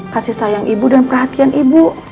kasih sayang ibu dan perhatian ibu